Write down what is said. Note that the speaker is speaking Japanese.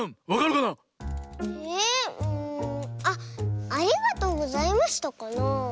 あっ「ありがとうございました」かなあ。